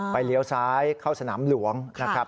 เลี้ยวซ้ายเข้าสนามหลวงนะครับ